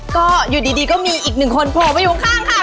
ก็อยู่ดีก็มีอีกหนึ่งคนโผล่ไปอยู่ข้างค่ะ